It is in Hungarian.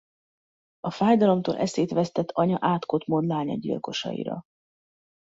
A fájdalomtól eszét vesztett anya átkot mond lánya gyilkosaira.